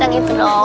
yang itu doang